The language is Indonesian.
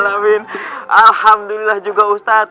alhamdulillah juga ustad